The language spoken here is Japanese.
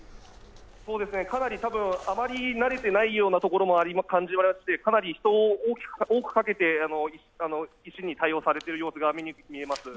あまり慣れていないようなところも感じまして、かなり人を多くかけて一心に対応されているのが見えます。